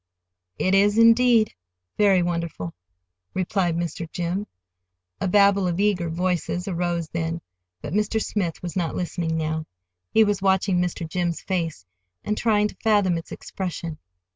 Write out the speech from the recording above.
"It is, indeed,—very wonderful," replied Mr. Jim A Babel of eager voices arose then, but Mr. Smith was not listening now. He was watching Mr. Jim's face, and trying to fathom its expression.